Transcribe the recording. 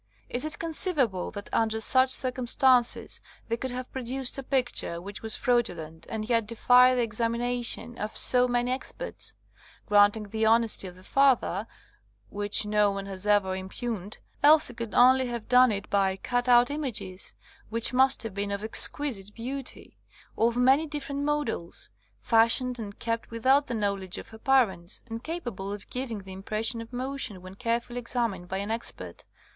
Is it conceivable that under such circumstances they could have produced a picture which was fraudu lent and yet defied the examination of so many experts ? Granting the honesty of the father, which no one has ever impugned, Elsie could only have done it by cut out images, which must have been of exquisite beauty, of many different models, fashioned and kept without the knowledge of her parents, and capable of giving the impres sion of motion when carefully examined by an expert.